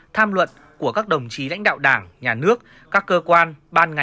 tham luận của các đồng chí lãnh đạo đảng nhà nước các cơ quan